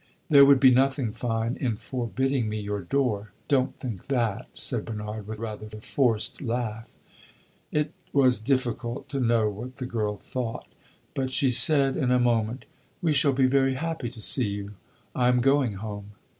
"There would be nothing fine in forbidding me your door. Don't think that!" said Bernard, with rather a forced laugh. It was difficult to know what the girl thought; but she said, in a moment "We shall be very happy to see you. I am going home."